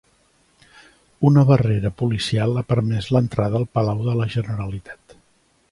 Una barrera policial ha permès l'entrada al Palau de la Generalitat